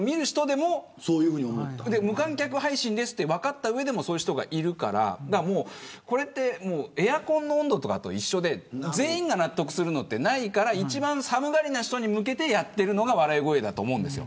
無観客配信ですと分かった上でもそういう人がいるからこれってエアコンの温度とかと一緒で全員が納得するのはないから一番寒がりな人に向けてやっているのが笑い声だと思うんです。